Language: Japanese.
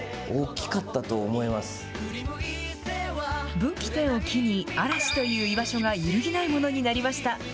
分岐点を機に、嵐という居場所が揺るぎないものになりました。